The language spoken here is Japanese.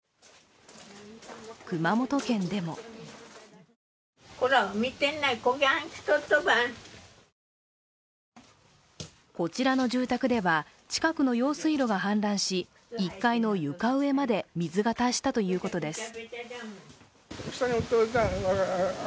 熊本県でもこちらの住宅では、近くの用水路が氾濫し、１階の床上まで水が達したということです。